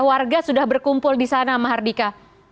warga sudah berkumpul di sana mahardika